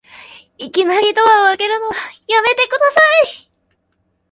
いきなりドア開けるのやめてください